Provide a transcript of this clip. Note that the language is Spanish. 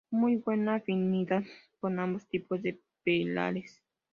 Muy buena afinidad con ambos tipos de perales.